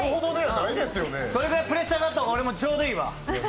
それぐらいプレッシャーがあった方が俺もちょうどいいわ。